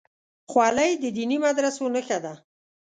خولۍ د دیني مدرسو نښه ده.